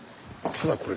ただこれ